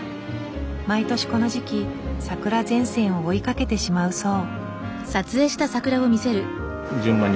毎年この時期桜前線を追いかけてしまうそう。